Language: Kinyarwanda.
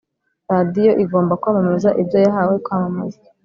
Radiyo igomba kwamamaza ibyo yahawe kwamamaza